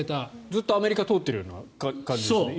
ずっとアメリカを通っている感じですね。